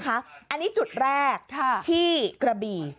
อันนี้จุดแรกที่กระบี่